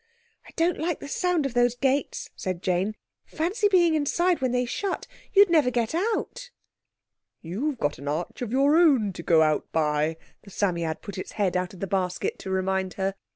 "I don't like the sound of those gates," said Jane. "Fancy being inside when they shut. You'd never get out." "You've got an arch of your own to go out by," the Psammead put its head out of the basket to remind her.